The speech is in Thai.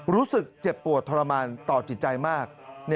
รู้สึกเจ็บปวดทรมานต่อจิตใจมาก